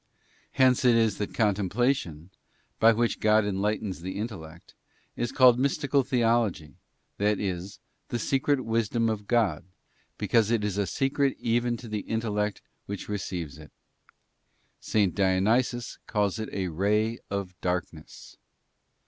Hence it is that Contemplation, by which God enlightens the intellect, is called Mystical Theology, that is, the secret Wisdom of God, because it is a secret even to the intellect which receives it. §. Dionysius calls it a ray of darkness.